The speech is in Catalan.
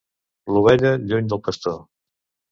L'ovella, lluny del pastor.